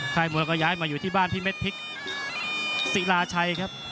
มวยก็ย้ายมาอยู่ที่บ้านพี่เม็ดพริกศิลาชัยครับ